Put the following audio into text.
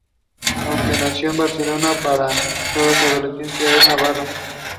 Bolie figures his knuckles must have only been bruised.